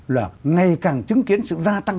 là ngày càng chứng kiến sự gia tăng